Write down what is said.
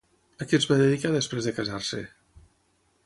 A què es va dedicar després de casar-se?